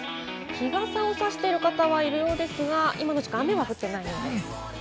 日傘をさしている方がいるようですが、今の時間、雨は降っていないようです。